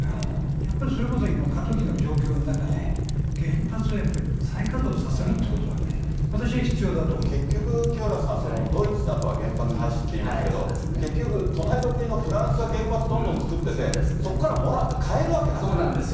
やっぱりそれこそ今、過渡期の状況の中で、原発はやっぱり再稼働させるってことは、私は必要だと結局、清原さん、ドイツなどは原発廃止っていいますけど、結局、隣の国のフランスは原発どんどん造ってて、そうなんですよ。